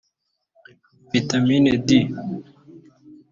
Vitamine D